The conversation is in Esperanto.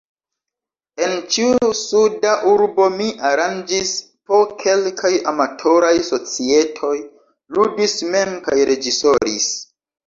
En ĉiu suda urbo mi aranĝis po kelkaj amatoraj societoj, ludis mem kaj reĝisoris.